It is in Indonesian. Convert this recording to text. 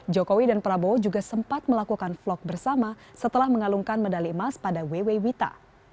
jokowi dan prabowo juga sempat melakukan vlog bersama setelah mengalungkan medali emas pada wewe wita